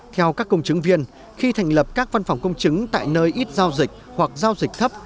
theo các công chứng viên khi thành lập các văn phòng công chứng tại nơi ít giao dịch hoặc giao dịch thấp